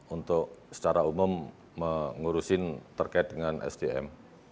untuk secara umum mengurusin terkait dengan sdm